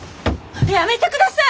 やめてください！